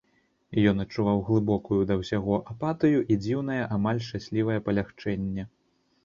Ён адчуваў глыбокую да ўсяго апатыю і дзіўнае, амаль шчаслівае палягчэнне.